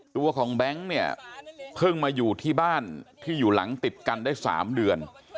ตัวของแบงค์เนี่ยเพิ่งมาอยู่ที่บ้านที่อยู่หลังติดกันได้๓เดือน